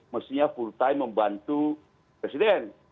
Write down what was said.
mestinya full time membantu presiden